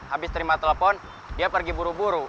habis terima telepon dia pergi buru buru